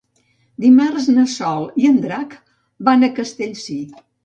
Dimarts na Sol i en Drac van a Castellcir.